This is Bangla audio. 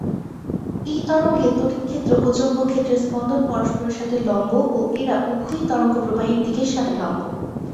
এই তরঙ্গে তড়িৎ ক্ষেত্র ও চৌম্বক ক্ষেত্রের স্পন্দন পরস্পরের সাথে লম্ব ও এরা উভয়ই তরঙ্গ প্রবাহের দিকের সাথে লম্ব।